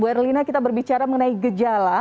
bu erlina kita berbicara mengenai gejala